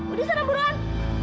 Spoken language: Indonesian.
udah senang buruan